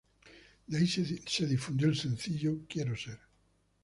De ahí se difundió el sencillo "Quiero ser".